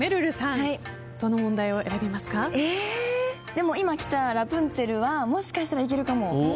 でも今きた『ラプンツェル』はもしかしたらいけるかも。